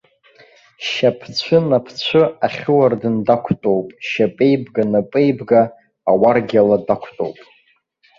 Шьап цәы, нап цәы, ахьуардын дақәтәоуп, шьапеибга напеибга ауаргьала дақәтәоуп.